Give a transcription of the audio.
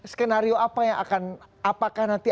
skenario apa yang akan apakah nanti